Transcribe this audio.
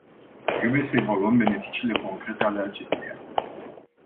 Trebuie să evaluăm beneficiile concrete ale acesteia.